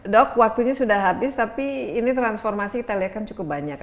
dok waktunya sudah habis tapi ini transformasi kita lihat kan cukup banyak